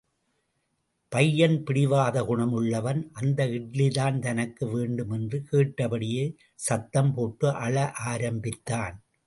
பையன் பிடிவாத குணம் உள்ளவன், அந்த இட்லிதான் தனக்கு வேண்டும் என்று கேட்டபடியே சத்தம் போட்டு அழ ஆரம்பித்தான்.